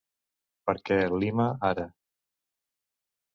Perquè Lima ara...